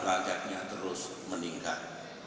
rakyatnya terus meningkat